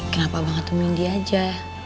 kenapa abah gak temuin dia aja